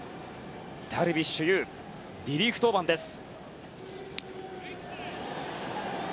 ダルビッシュ有リリーフ登板です。